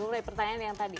mulai pertanyaan yang tadi